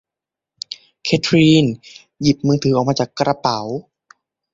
เคทลีนหยิบมือถือออกมาจากกระเป๋า